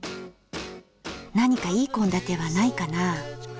何かいい献立はないかな？